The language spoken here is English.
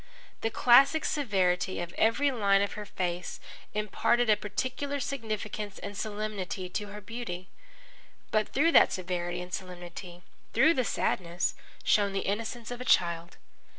The classic severity of every line of her face imparted a peculiar significance and solemnity to her beauty. But through that severity and solemnity, through the sadness, shone the innocence of a child.